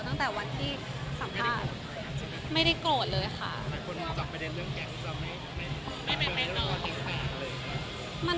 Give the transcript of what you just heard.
ตั้งแต่วันที่สัมภาษณ์ไม่ได้โกรธเลยค่ะ